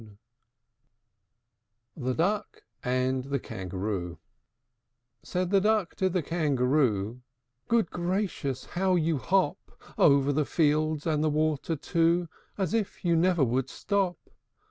THE DUCK AND THE KANGAROO. I. Said the Duck to the Kangaroo, "Good gracious! how you hop Over the fields, and the water too, As if you never would stop!